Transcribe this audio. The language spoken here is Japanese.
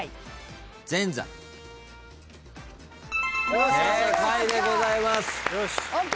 正解でございます。